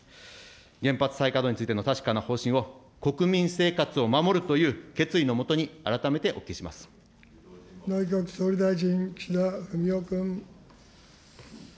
原発再稼働についての確かな方針を国民生活を守るという決意の下内閣総理大臣、岸田文雄君。